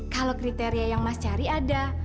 kalau kriteria yang mas cari ada